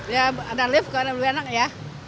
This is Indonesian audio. ya ada lift lebih enak ya